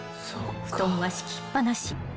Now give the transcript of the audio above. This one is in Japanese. ［布団は敷きっぱなし］